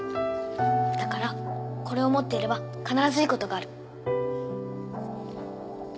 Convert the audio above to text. だからこれを持っていれば必ずいい事がある。